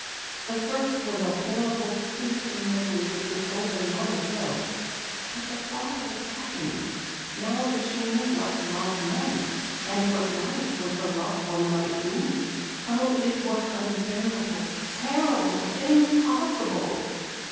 The first was a horrible, fearsome memory which was over long ago, but the thought of a second now that she knew what love meant, and what life with the loved one might mean Oh, it was unbearable terrible impossible!